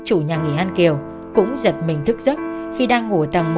chẳng hạn như thế này